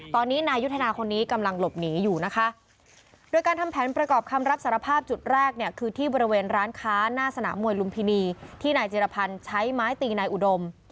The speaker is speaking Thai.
ตอนนี้นายยุทธนาคนนี้กำลังหลบหนีอยู่นะคะโดยการทำแผนประกอบคำรับสารภาพจุดแรกเนี่ยคือที่บริเวณร้านค้าหน้าสนามมวยลุมพินีที่นายจิรพันธ์ใช้ไม้ตีนายอุดม